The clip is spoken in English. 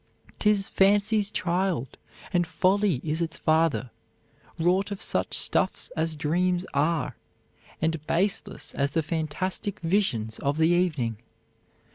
'Tis fancy's child, and folly is its father; wrought of such stuffs as dreams are; and baseless as the fantastic visions of the evening."